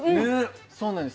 そうなんです。